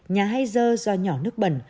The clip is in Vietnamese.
nhà hay dơ do nhỏ nước bẩn